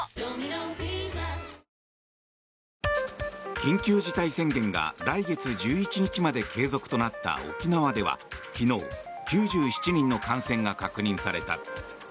緊急事態宣言が来月１１日まで継続となった沖縄では昨日、９７人の感染が確認された。